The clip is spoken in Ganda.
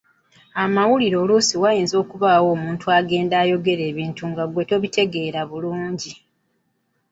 Amawulire oluusi wayinza okubaawo omuntu n’agenda ayogera ekintu nga ggwe tokitegeera bulungi.